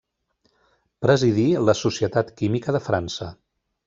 Presidí La Societat Química de França.